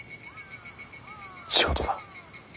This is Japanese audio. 仕事だ。